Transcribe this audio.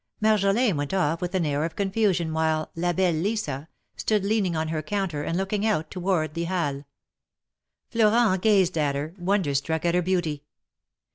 Marjolin went off with an air of confusion, while 'Ma belle Lisa" stood leaning on her counter, and looking out toward the Halles. Florent gazed at her, wonderstruck at her beauty.